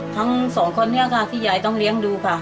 ทั้งสองคนนี้ค่ะที่ยายต้องเลี้ยงดูค่ะ